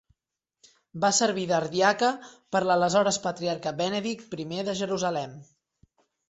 Va servir d'ardiaca per l'aleshores patriarca Benedict I de Jerusalem.